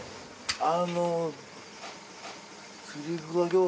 あの。